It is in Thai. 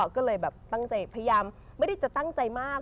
ก็เลยแบบตั้งใจพยายามไม่ได้จะตั้งใจมาก